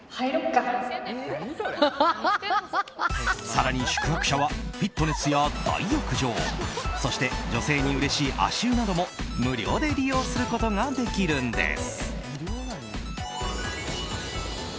更に宿泊者はフィットネスや大浴場そして女性にうれしい足湯なども無料で利用することができるんです。